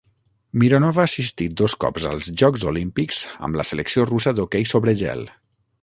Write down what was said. Mironov ha assistit dos cops als Jocs Olímpics amb la selecció russa d'hoquei sobre gel.